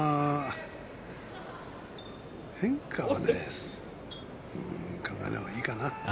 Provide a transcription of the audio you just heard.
変化はね考えない方がいいかな。